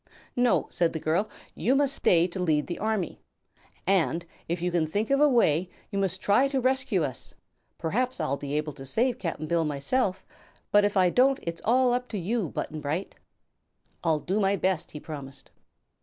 "No," said the girl; "you must stay to lead the army. And, if you can think of a way, you must try to rescue us. Perhaps I'll be able to save Cap'n Bill myself; but if I don't it's all up to you, Button Bright." "I'll do my best," he promised.